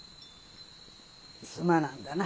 すまなんだな。